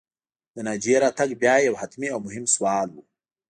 د ناجيې راتګ بیا یو حتمي او مهم سوال و